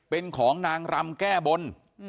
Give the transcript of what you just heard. เป็นของนางรำแก้บน